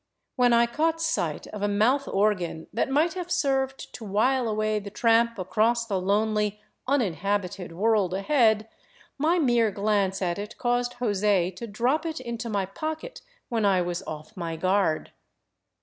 When I caught sight of a mouth organ that might have served to while away the tramp across the lonely uninhabited world ahead, my mere glance at it caused Jose to drop it into my pocket when I was off my guard.